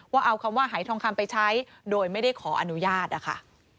ว่าเอาคำว่าหายทองคำไปใช้โดยไม่ได้ขออนุญาตนะคะ